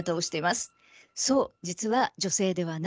そう！